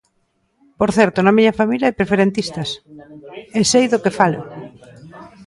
Por certo, na miña familia hai preferentistas, e sei do que falo.